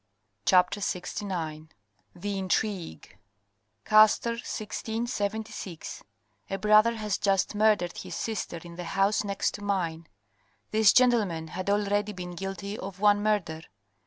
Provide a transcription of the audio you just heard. CHAPTER LXIX THE INTRIGUE Castres 1676 — A brother has just murdered his sister in the house next to mine. This gentleman had already been guilty of one murder.